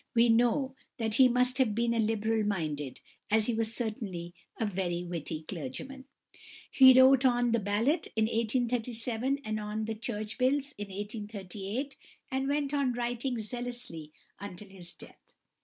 We know that he must have been a liberal minded, as he was certainly a very witty clergyman. He wrote on "The Ballot" in 1837 and on "The Church Bills" in 1838, and he went on writing zealously until his death.